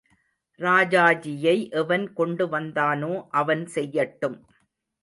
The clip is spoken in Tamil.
ராஜாஜியை எவன் கொண்டுவந்தானோ அவன் செய்யட்டும்.